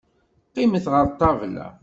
Qqimet ɣer ṭṭabla.